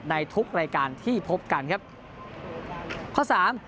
ในทุกรายการที่พบกันครับ